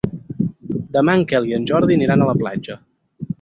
Demà en Quel i en Jordi aniran a la platja.